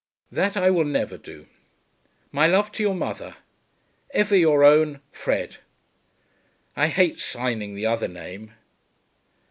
That I will never do. My love to your mother. Ever your own, FRED. I hate signing the other name.